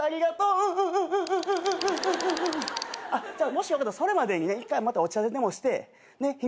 もしよかったらそれまでにね一回またお茶でもして日にちとか決めて。